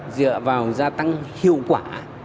dựa vào gia tăng hiệu quả